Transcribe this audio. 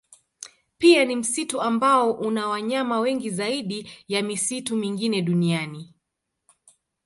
Pia ni msitu ambao una wanyama wengi zaidi ya misitu mingine duniani.